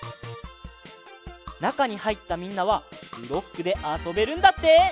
なかにはいったみんなはブロックであそべるんだって！